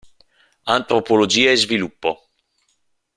Antropologia e Sviluppo.